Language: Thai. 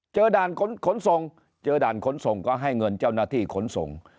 ด่านขนส่งเจอด่านขนส่งก็ให้เงินเจ้าหน้าที่ขนส่ง